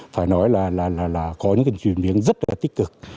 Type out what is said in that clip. phải nói là có những cái chuyển biến rất là tích cực